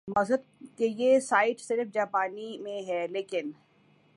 معذرت کہ یہ سائیٹ صرف جاپانی میں ھے لیکن آ